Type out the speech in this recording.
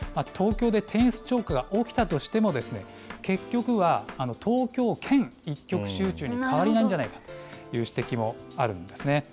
東京で転出超過が起きたとしても、結局は東京圏一極集中に変わりないんじゃないかという指摘もあるんですね。